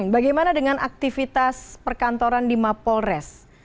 bagaimana dengan aktivitas perkantoran di mapolres